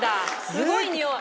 すごいにおい。